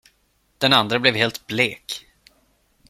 Den andre blev helt blek.